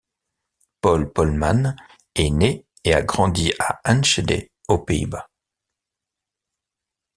Paul Polman est né et a grandi à Enschede aux Pays-Bas.